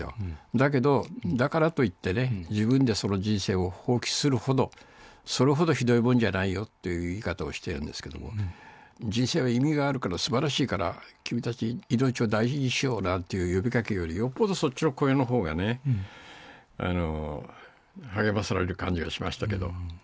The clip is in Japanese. だけど、だからといってね、自分でその人生を放棄するほどそれほどひどいもんじゃないよという言い方をしているんですけれども、人生は意味があるからすばらしいから、君たち、命を大事にしようなんていう呼びかけよりよっぽどそっちの声のほうがね、励まされる感じがしましたけど。